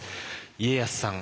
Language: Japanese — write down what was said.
家康さん